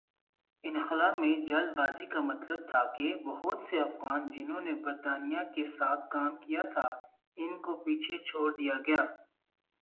انخلا میں جلد بازی کا مطلب تھا کہ بہت سے افغان جنہوں نے برطانیہ کے ساتھ کام کیا تھا ان کو پیچھے چھوڑ دیا گیا۔